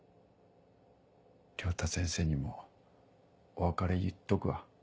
良太先生にもお別れ言っとくわ。